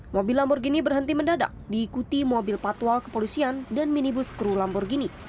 mobil lamborghini berhenti mendadak diikuti mobil patwal kepolisian dan minibus kru lamborghini